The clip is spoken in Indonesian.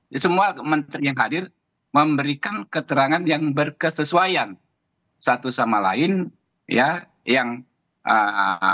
di semua kementerian hadir memberikan keterangan yang berkesesuaian satu sama lain ya yang ah